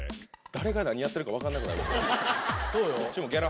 誰が何やってるか分かんなくなる。